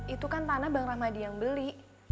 itu kan tanah bang rahmadi yang beli